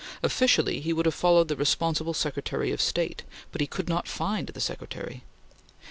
Officially he would have followed the responsible Secretary of State, but he could not find the Secretary.